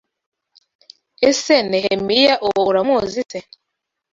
Ese Nehemiya uwo uramuzi se